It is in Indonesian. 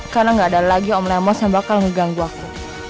karena gak ada lagi om lemos yang bakal ngeganggu aku